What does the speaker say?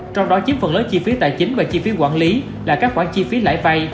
trong đó chiếm phần lớn chi phí tài chính và chi phí quản lý là các khoản chi phí lãi vay